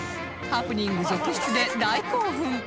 ハプニング続出で大興奮！